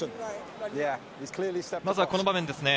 まずはこの場面ですね。